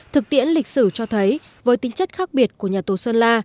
thực tiễn lịch sử cho thấy với tính chất khác biệt của nhà tù sơn la